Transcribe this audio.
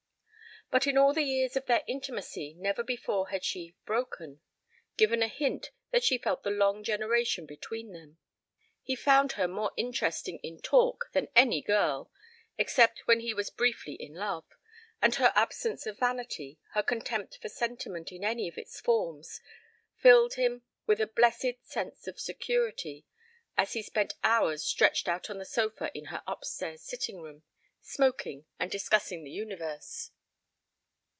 But in all the years of their intimacy never before had she "broken," given a hint that she felt the long generation between them. He found her more interesting in talk than any girl, except when he was briefly in love, and her absence of vanity, her contempt for sentiment in any of its forms, filled him with a blessed sense of security as he spent hours stretched out on the sofa in her upstairs sitting room, smoking and discussing the universe.